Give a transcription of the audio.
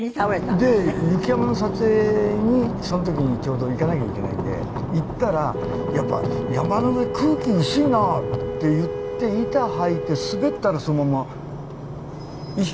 で雪山の撮影にその時にちょうど行かなきゃいけないんで行ったら「やっぱり山の上空気薄いな」って言って板履いて滑ったらそのまま意識